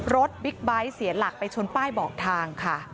บิ๊กไบท์เสียหลักไปชนป้ายบอกทางค่ะ